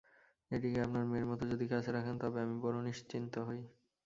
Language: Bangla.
এটিকে আপনার মেয়ের মতো যদি কাছে রাখেন তবে আমি বড়ো নিশ্চিন্ত হই।